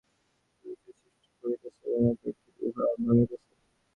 অন্য ভাবে বলিতে গেলে একটি সুবিধার সৃষ্টি করিতেছে এবং অপরটি উহা ভাঙিতেছে।